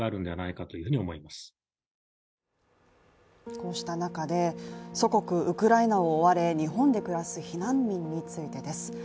こうした中で祖国、ウクライナを追われ日本で暮らす避難民についてです。